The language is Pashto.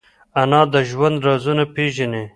انا د ژوند رازونه پېژني